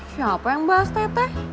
siapa yang bahas teteh